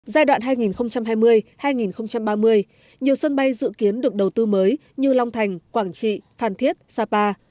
giai đoạn hai nghìn hai mươi hai nghìn ba mươi nhiều sân bay dự kiến được đầu tư mới như long thành quảng trị phan thiết sapa